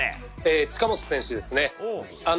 近本選手でね。